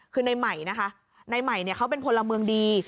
คือในใหม่นะคะในใหม่เนี่ยเขาเป็นพลเมืองดี